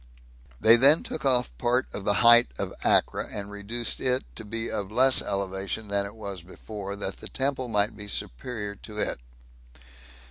They then took off part of the height of Acra, and reduced it to be of less elevation than it was before, that the temple might be superior to it.